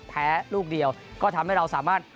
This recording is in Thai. ลูกเดียวก็ทำให้เราสามารถ